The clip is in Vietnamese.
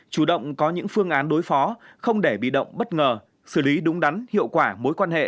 chủ động có những phương án đối phó không để bị động bất ngờ xử lý đúng đắn hiệu quả mối quan hệ